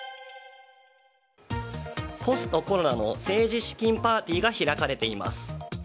ポストコロナの政治資金パーティーが開かれています。